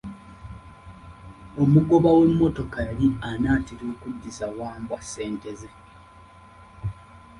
Omugoba w'emmotoka yali anaatera okuddiza Wambwa ssente ze.